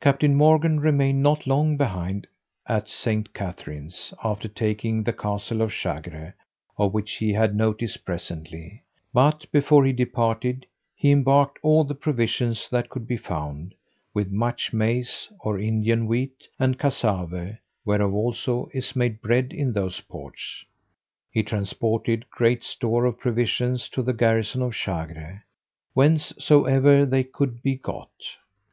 Captain Morgan remained not long behind at St. Catherine's, after taking the castle of Chagre, of which he had notice presently; but before he departed, he embarked all the provisions that could be found, with much maize, or Indian wheat, and cazave, whereof also is made bread in those ports. He transported great store of provisions to the garrison of Chagre, whencesoever they could be got.